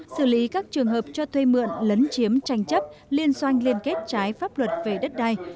xử lý các trường hợp cho thuê mượn lấn chiếm tranh chấp liên xoanh liên kết trái pháp luật về đất đai